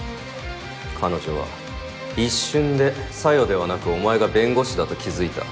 彼女は一瞬で紗世ではなくお前が弁護士だと気づいた。